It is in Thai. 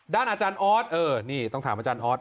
ด้านอาจารย์ออสต้องถามอาจารย์ออส